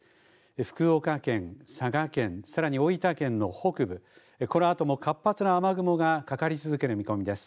福岡県、佐賀県、さらに大分県の北部、このあとも活発な雨雲がかかり続ける見込みです。